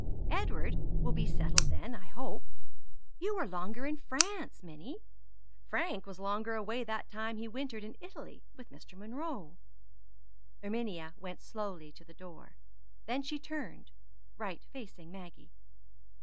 "Edward will be settled then, I hope. You were longer in France, Minnie. Frank was longer away that time he wintered in Italy with Mr. Monro." Erminia went slowly to the door. Then she turned, right facing Maggie.